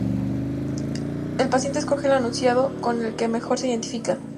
El paciente escoge el anunciado con el que mejor se identifica.